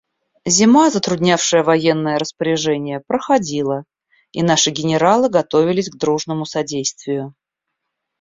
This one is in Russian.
Зима, затруднявшая военные распоряжения, проходила, и наши генералы готовились к дружному содействию.